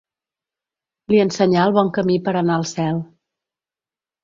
Li ensenyà el bon camí per anar al cel.